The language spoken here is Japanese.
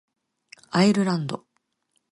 アイルランド